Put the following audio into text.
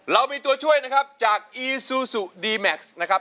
เรามีตัวช่วยนะครับจากอีซูซูดีแม็กซ์นะครับ